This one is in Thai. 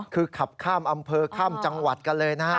คือขับข้ามอำเภอข้ามจังหวัดกันเลยนะฮะ